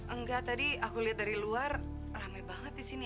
enggak tadi aku liat dari luar rame banget disini